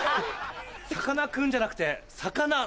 さかなクンじゃなくて。